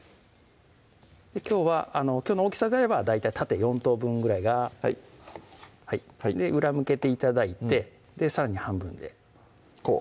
はいきょうの大きさであれば大体縦４等分ぐらいがはい裏向けて頂いてさらに半分でこう？